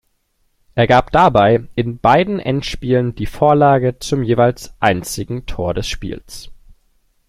Er gab dabei in beiden Endspielen die Vorlage zum jeweils einzigen Tor des Spiels.